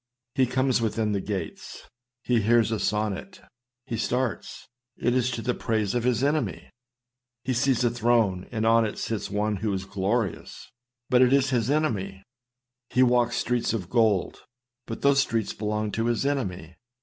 He comes within the gates. He hears a sonnet. He starts! It is to the praise of his enemy. He sees a throne, and on it sits one who is glorious ; but it is his enemy. He walks streets of gold, but those streets belong to his enemy.